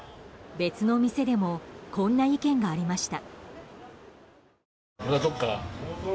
別の店でもこんな意見がありました。